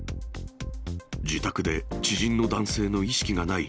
自宅で知人の男性の意識がない。